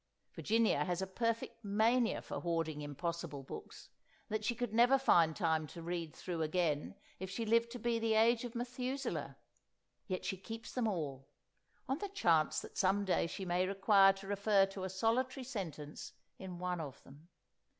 Virginia has a perfect mania for hoarding impossible books, that she could never find time to read through again if she lived to be the age of Methuselah; yet she keeps them all, on the chance that some day she may require to refer to a solitary sentence in one of them.